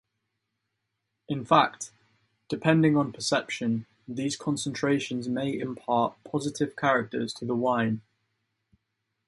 In fact, depending on perception, these concentrations may impart positive characters to the wine.